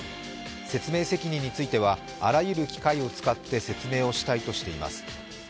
説明責任についてはあらゆる機会を使って説明をしたいとしています。